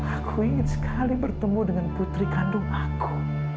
aku ingin sekali bertemu dengan putri kandung aku